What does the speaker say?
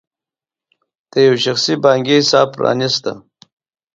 یو شخصي بانکي حساب پرانېسته.